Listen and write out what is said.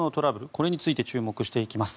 これについて注目していきます。